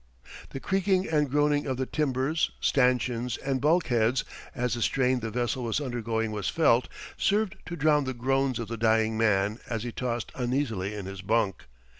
The creaking and groaning of the timbers, stanchions, and bulkheads, as the strain the vessel was undergoing was felt, served to drown the groans of the dying man as he tossed uneasily in his bunk.